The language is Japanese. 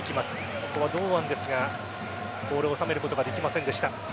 ここは堂安ですがボールを収めることができませんでした。